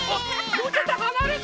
もうちょっとはなれて！